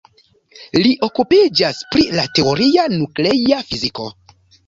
Li okupiĝas pri la teoria nuklea fiziko.